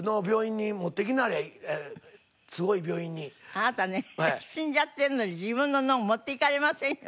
あなたね死んじゃってるのに自分の脳持っていかれませんよ